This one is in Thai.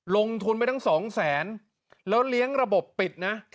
ลงทุนไปตั้ง๒๐๐๐๐๐บาทแล้วเลี้ยงระบบปิด